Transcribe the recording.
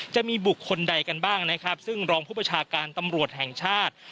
จะมีบุคคลใดกันบ้างนะครับซึ่งรองผู้ประชาการตำรวจแห่งชาติ